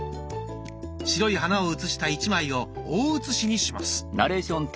白い花を写した１枚を大写しにします。